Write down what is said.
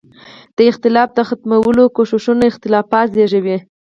د اختلاف د ختمولو کوششونه اختلافات زېږوي.